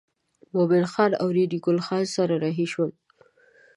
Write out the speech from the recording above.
مومن خان او ریډي ګل خان سره رهي شول.